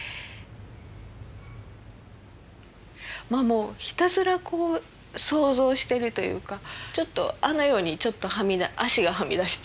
まあもうひたすらこう想像してるというかちょっとあの世にちょっと足がはみ出してる感じ。